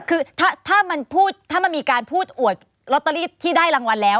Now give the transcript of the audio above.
คือถ้าถ้ามันพูดถ้ามันมีการพูดอวดล็อตเตอรี่ที่ได้รางวัลแล้ว